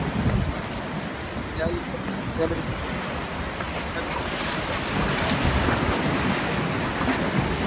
Las actividades iniciales de la sociedad incluyeron charlas y la publicación de una revista.